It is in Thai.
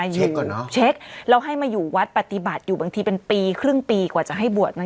เช็คก่อนเนอะเช็คแล้วให้มาอยู่วัดปฏิบัติอยู่บางทีเป็นปีครึ่งปีกว่าจะให้บวช